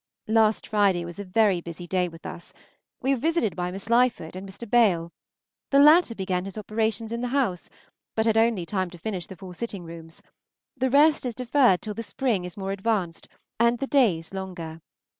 Last Friday was a very busy day with us. We were visited by Miss Lyford and Mr. Bayle. The latter began his operations in the house, but had only time to finish the four sitting rooms; the rest is deferred till the spring is more advanced and the days longer.